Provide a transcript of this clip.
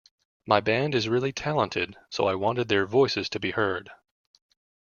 My band is really talented, so I wanted their voices to be heard.